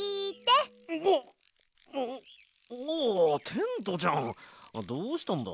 テントちゃんどうしたんだ？